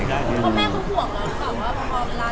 เพราะแม่เขาห่วงเรา